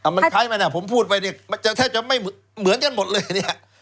มันคล้ายไหมนะผมพูดไปเนี่ยมันจะแทบจะไม่เหมือนกันหมดเลยเนี่ย